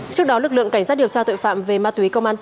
trước đó lực lượng cảnh sát điều tra tội phạm về ma túy công an tp hcm